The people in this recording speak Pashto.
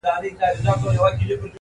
o انسان وجدان سره ژوند کوي تل,